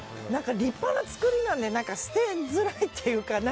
立派な作りなので捨てづらいというか。